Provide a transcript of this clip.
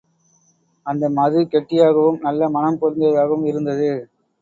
அந்த மது கெட்டியாகவும் நல்ல மணம் பொருந்தியதாகவும் இருந்தது.